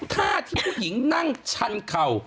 ท่าที่ผู้หญิงนั่งชันเข่า